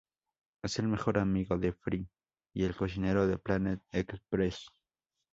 Es el mejor amigo de Fry, y el cocinero de Planet Express.